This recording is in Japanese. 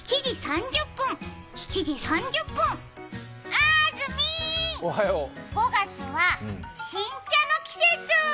あーずみー、５月は新茶の季節。